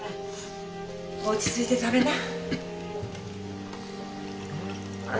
落ち着いて食べな。